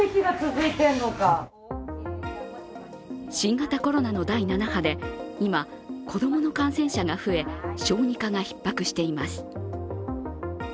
新型コロナの第７波で今、子供の感染者が増え小児科がひっ迫しています。